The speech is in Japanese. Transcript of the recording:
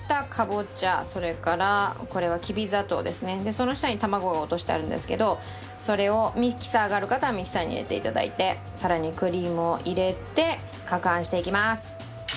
その下に卵が落としてあるんですけどそれをミキサーがある方はミキサーに入れて頂いてさらにクリームを入れて攪拌していきます。